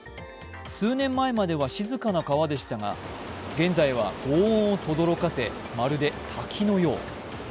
数年前までは静かな川でしたが、現在はごう音をとどろかせまるで滝のよう。